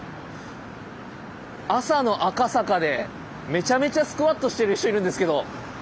朝の赤坂でめちゃめちゃスクワットしてる人いるんですけど。